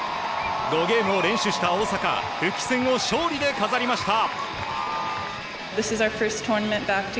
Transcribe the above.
５ゲームを連取した大坂復帰戦を勝利で飾りました。